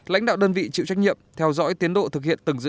lãnh đạo đơn vị chịu trách nhiệm theo dõi tiến độ thực hiện từng dự án